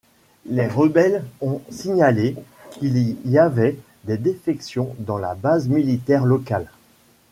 Les rebelles ont signalé qu'il y avait des défections dans la base militaire locale.